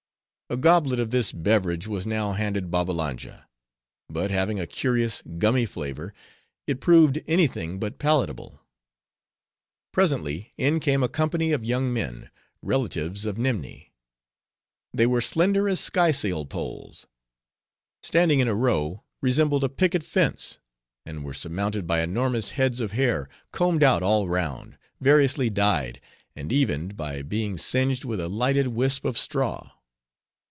A goblet of this beverage was now handed Babbalanja; but having a curious, gummy flavor, it proved any thing but palatable. Presently, in came a company of young men, relatives of Nimni. They were slender as sky sail poles; standing in a row, resembled a picket fence; and were surmounted by enormous heads of hair, combed out all round, variously dyed, and evened by being singed with a lighted wisp of straw.